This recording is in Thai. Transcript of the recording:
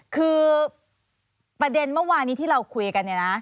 คือประเด็นเมื่อวานี้ที่เราคุยกันเนี่ยนะ